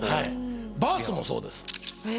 バースもそうです。